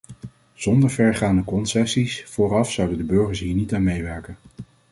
Zonder vergaande concessies vooraf zouden de burgers hier niet aan meewerken.